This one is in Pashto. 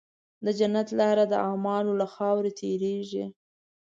د جنت لاره د اعمالو له خاورې تېرېږي.